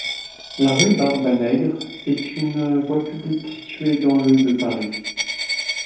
La rue Barbanègre est une voie publique située dans le de Paris.